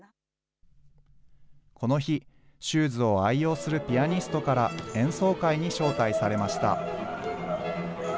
この日、シューズを愛用するピアニストから、演奏会に招待されました。